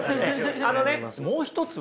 あのねもう一つはね